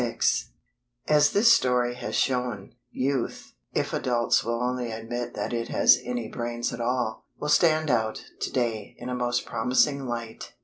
XXVI As this story has shown, Youth, if adults will only admit that it has any brains at all, will stand out, today, in a most promising light.